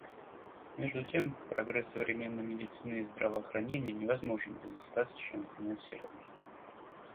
Между тем, прогресс современной медицины и здравоохранения невозможен без достаточного финансирования.